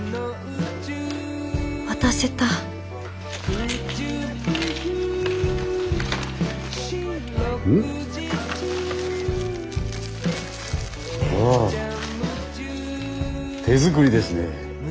渡せたああ手作りですね。